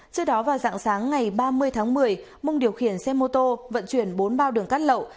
trước đó vào dạng sáng ngày ba mươi tháng một mươi mông điều khiển xe mô tô vận chuyển bốn bao đường cát lậu